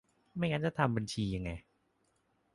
ไม่งั้นจะทำบัญชียังไง